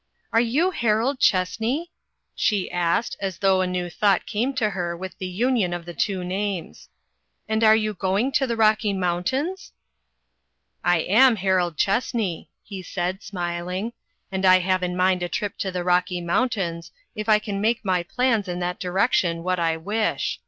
"Are you Harold Chessney?" she asked as though a new thought came to her with the union of the two names. " and are you going to the Rocky Mountains ?"" I am Harold Chessney," he said, smil ing, "and I have in mind a trip to the Rocky Mountains, if I can make my plans in that direction what I wish.